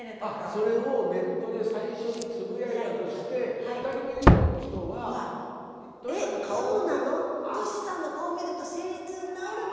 それをネットで最初につぶやいたとして２人目以上の人はトシさんの顔って。